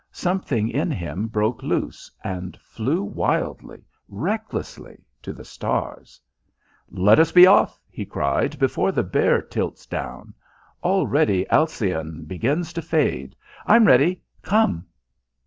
Something in him broke loose, and flew wildly, recklessly to the stars. "Let us be off!" he cried, "before the Bear tilts down. Already Alcyone begins to fade. I'm ready. Come!"